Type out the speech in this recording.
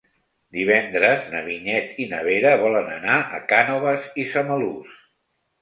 Divendres na Vinyet i na Vera volen anar a Cànoves i Samalús.